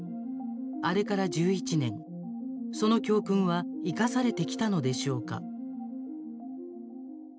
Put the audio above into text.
あれから１１年、その教訓は生かされてきたのでしょうか。